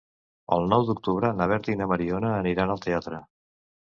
El nou d'octubre na Berta i na Mariona aniran al teatre.